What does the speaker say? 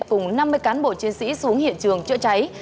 cùng năm mươi cán bộ chiến sĩ xuống hiện trường chữa cháy